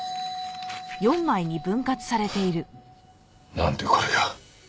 なんでこれが？